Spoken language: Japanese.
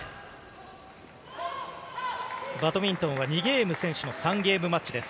バドミントンは２ゲーム先取の３ゲームマッチです。